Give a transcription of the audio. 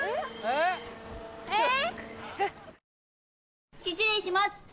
・えっ？